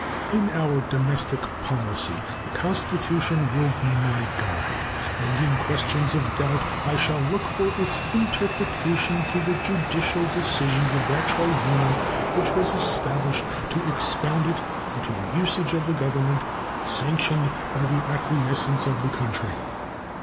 In our domestic policy the Constitution will be my guide, and in questions of doubt I shall look for its interpretation to the judicial decisions of that tribunal which was established to expound it and to the usage of the Government, sanctioned by the acquiescence of the country.